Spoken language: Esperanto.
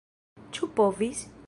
Ĉu povis?